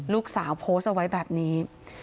ลูกสาวโพสต์เอาไว้แบบนี้